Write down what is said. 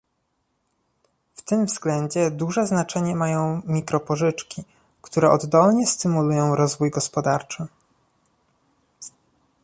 W tym względzie duże znaczenie mają mikropożyczki, które oddolnie stymulują rozwój gospodarczy